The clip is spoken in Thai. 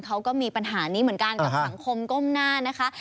เขาก็มีปัญหานี้เหมือนกันกับสังคมก้มหน้านะคะ